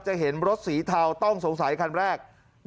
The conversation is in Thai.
เห็นรถสีเทาต้องสงสัยคันแรก